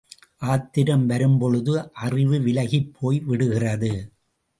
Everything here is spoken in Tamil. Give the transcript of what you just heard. ஆத்திரம் வரும் பொழுது அறிவு விலகிப் போய் விடுகிறது.